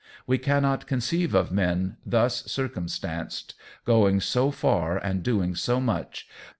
We cannot conceive of men, thus circumstanced, going so far and doing so much.